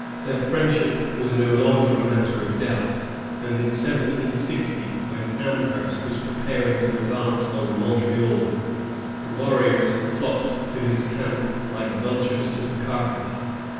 Their friendship was no longer a matter of doubt; and in 1760, when Amherst was preparing to advance on Montreal, the warriors flocked to his camp like vultures to the carcass.